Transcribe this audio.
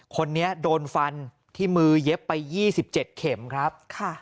คนนี้โดนฟันที่มือเย็บไป๒๗เข็มครับ